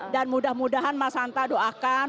dan mudah mudahan mas hanta doakan